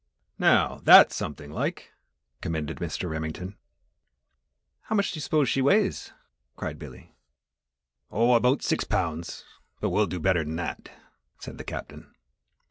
"Now, that's something like!" commended Mr. Remington. "How much do you s'pose she weighs?" cried Billy. "Oh, about six pounds, but we'll do better'n that," said the Captain.